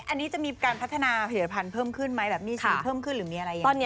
อันนี้จะมีการพัฒนาผลิตภัณฑ์เพิ่มขึ้นไหมแบบหนี้สีเพิ่มขึ้นหรือมีอะไรอย่างนี้